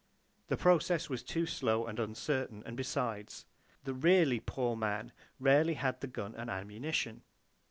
The process was too slow and uncertain; and besides, the really poor man rarely had the gun and ammunition.